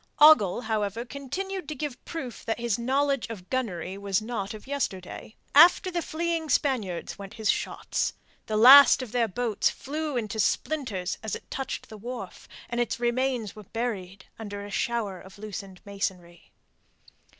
Ogle, however, continued to give proof that his knowledge of gunnery was not of yesterday. After the fleeing Spaniards went his shots. The last of their boats flew into splinters as it touched the wharf, and its remains were buried under a shower of loosened masonry.